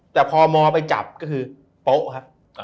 แต่พอมไปจับก็คือโป๊ะครับ